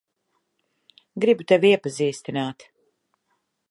Gribu tevi iepazīstināt.